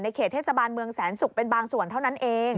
เขตเทศบาลเมืองแสนศุกร์เป็นบางส่วนเท่านั้นเอง